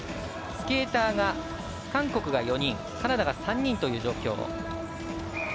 スケーターが韓国が４人カナダが３人という状況。